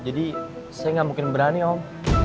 jadi saya gak mungkin berani om